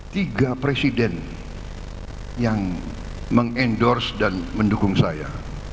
tiga presiden yang mengendorse dan mendukung saya